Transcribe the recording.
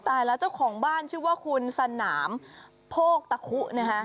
แต่ละของบ้านชื่อว่าคุณสนามโภกตะครู้